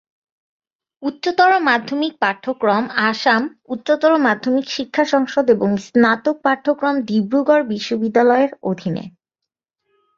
উচ্চতর মাধ্যমিক পাঠ্যক্রম আসাম উচ্চতর মাধ্যমিক শিক্ষা সংসদ এবং স্নাতক পাঠ্যক্রম ডিব্রুগড় বিশ্ববিদ্যালয়-এর অধীনে।